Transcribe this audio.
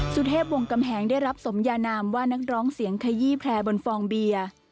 สุเทพวงกำแหงได้รับสมยานามว่านักร้องเสียงขยี้แพร่บนฟองเบียร์